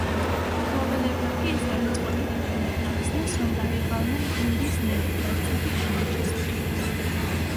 მფლობელებმა კი ეს გადაწყვეტილება იმით ახსნეს, რომ დაიღალნენ გუნდის ნელი დაცვითი თამაშის სტილით.